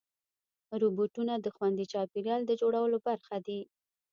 روبوټونه د خوندي چاپېریال د جوړولو برخه دي.